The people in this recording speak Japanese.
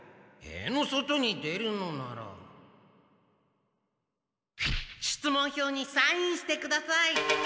塀の外に出るのなら出門票にサインしてください！